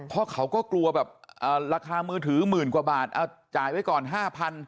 เพราะเขาก็กลัวแบบราคามือถือหมื่นกว่าบาทเอาจ่ายไว้ก่อน๕๐๐